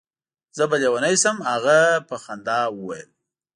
زه به لېونی شم. هغه په خندا وویل.